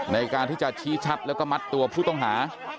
ในการที่จะชี้ชัดแล้วก็มัดตัวผู้ต้องหา